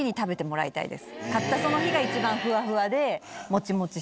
買ったその日が一番フワフワで。